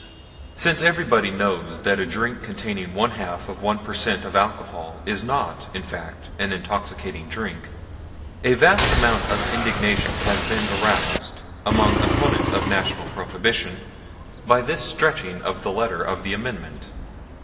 Since everybody knows that a drink containing one half of one per cent. of alcohol is not in fact an intoxicating drink, a vast amount of indignation has been aroused, among opponents of National Prohibition, by this stretching of the letter of the Amendment.